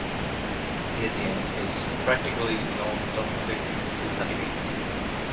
Ethion is practically nontoxic to honeybees.